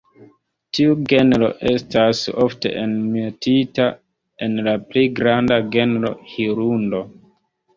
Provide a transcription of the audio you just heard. Tiu genro estas ofte enmetita en la pli granda genro "Hirundo".